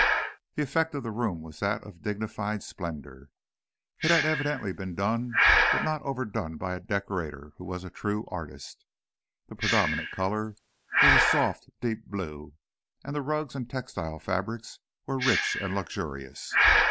The effect of the room was that of dignified splendor. It had evidently been done but not overdone by a decorator who was a true artist. The predominant color was a soft, deep blue, and the rugs and textile fabrics were rich and luxurious.